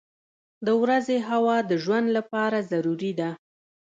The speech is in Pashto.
• د ورځې هوا د ژوند لپاره ضروري ده.